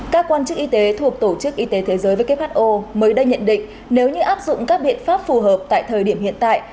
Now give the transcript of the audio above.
các quan chức y tế thuộc tổ chức y tế thế giới who mới đây nhận định nếu như áp dụng các biện pháp phù hợp tại thời điểm hiện tại